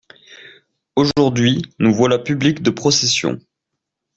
Aujourd'hui nous voilà public de procession!